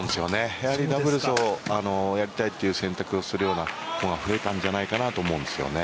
やはりダブルスをやりたいっていう選択をするようなのが、増えたんじゃないかなと思うんですよね。